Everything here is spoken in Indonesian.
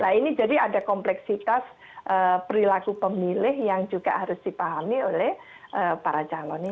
nah ini jadi ada kompleksitas perilaku pemilih yang juga harus dipahami oleh para calon ini